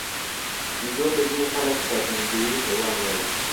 بیزو ته ځینې خلک ساتندوی حیوان وایي.